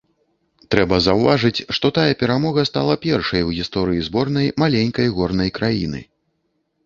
Трэба заўважыць, што тая перамога стала першай у гісторыі зборнай маленькай горнай краіны.